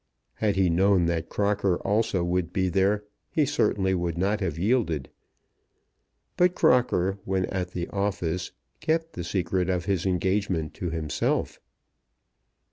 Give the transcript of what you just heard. Had he known that Crocker also would be there he certainly would not have yielded; but Crocker, when at the office, kept the secret of his engagement to himself.